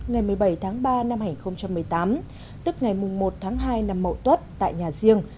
ngày một mươi bảy tháng ba năm hai nghìn một mươi tám tức ngày một tháng hai năm mậu tuất tại nhà riêng